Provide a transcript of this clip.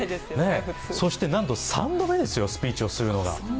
そしてなんと３度目ですよ、スピーチをするのは。